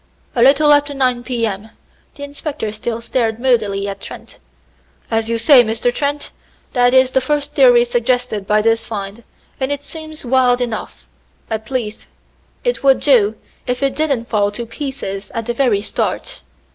"A little after nine P. M." The inspector still stared moodily at Trent. "As you say, Mr. Trent, that is the first theory suggested by this find, and it seems wild enough at least it would do, if it didn't fall to pieces at the very start.